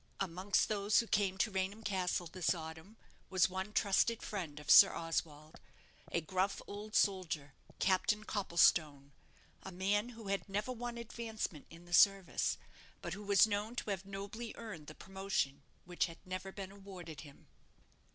Amongst those who came to Raynham Castle this autumn was one trusted friend of Sir Oswald, a gruff old soldier, Captain Copplestone, a man who had never won advancement in the service; but who was known to have nobly earned the promotion which had never been awarded him.